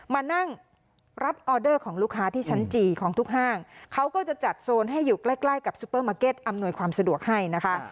มานั่งรับออเดอร์ของลูกค้าที่ชั้นจี่ของทุกห้างเขาก็จะจัดโซนให้อยู่ใกล้ใกล้กับซุปเปอร์มาร์เก็ตอำนวยความสะดวกให้นะคะ